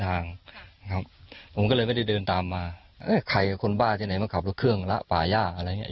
ทางครับผมก็เลยไม่ได้เดินตามมาเอ้ยใครกับคนบ้าที่ไหนมาขับรถเครื่องละป่าย่างอะไรอย่างเง